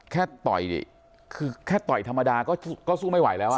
ต่อยนี่คือแค่ต่อยธรรมดาก็สู้ไม่ไหวแล้วอ่ะ